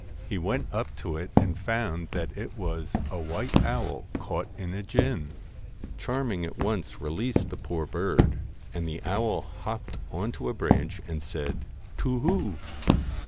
He went up to it and found that it was a white owl caught in a gin. Charming at once released the poor bird, and the owl hopped on to a branch, and said, ' To whoo